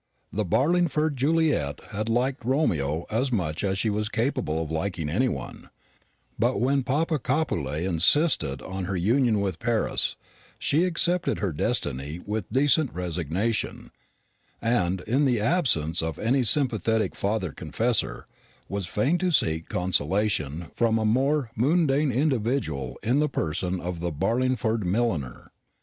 The Barlingford Juliet had liked Romeo as much as she was capable of liking any one; but when Papa Capulet insisted on her union with Paris, she accepted her destiny with decent resignation, and, in the absence of any sympathetic father confessor, was fain to seek consolation from a more mundane individual in the person of the Barlingford milliner.